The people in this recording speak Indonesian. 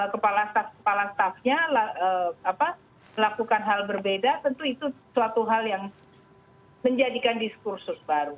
kepala staf kepala staffnya melakukan hal berbeda tentu itu suatu hal yang menjadikan diskursus baru